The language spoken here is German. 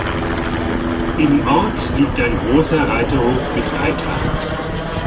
Im Ort liegt ein großer Reiterhof mit Reithalle.